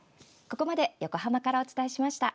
ここまで横浜からお伝えしました。